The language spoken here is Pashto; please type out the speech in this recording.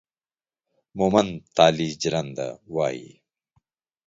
مومند تالي جرنده وايي